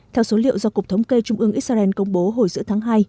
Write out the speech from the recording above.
theo số liệu do cục thống kê trung ương israel công bố hồi giữa tháng hai